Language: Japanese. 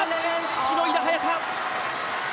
しのいだ、早田！